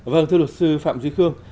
vâng thưa luật sư phạm duy khương